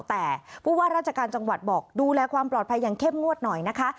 แต่ผู้ว่าราชการจังหวัดบอกดูแลความปลอดภัยอย่างเข้มงวดหน่อยนะคะ